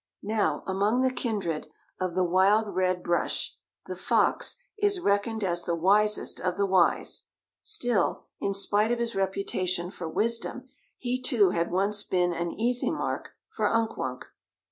Now among the kindred of the wild Red Brush, the Fox, is reckoned as the wisest of the wise. Still, in spite of his reputation for wisdom, he too had once been an easy mark for Unk Wunk.